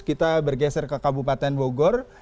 kita bergeser ke kabupaten bogor